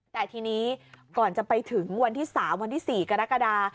แต่ทีนี้ก่อนจะไปถึงวันที่๓วันที่๔กรกฎา